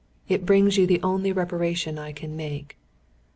It brings you the only reparation I can make.